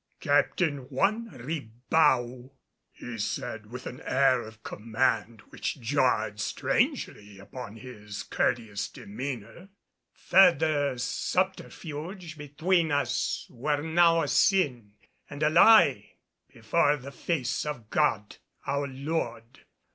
"Captain Juan Ribao," he said with an air of command which jarred strangely upon his courteous demeanor, "further subterfuge between us were now a sin and a lie before the face of God our Lord.